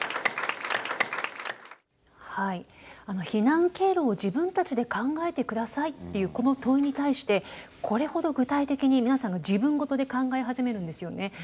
「避難経路を自分たちで考えて下さい」っていうこの問いに対してこれほど具体的に皆さんが自分ごとで考え始めるんですよね。